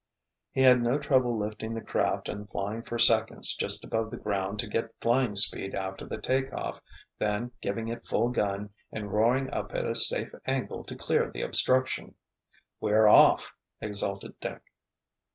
He had no trouble lifting the craft and flying for seconds just above the ground to get flying speed after the take off, then giving it full gun and roaring up at a safe angle to clear the obstruction. "We're off!" exulted Dick.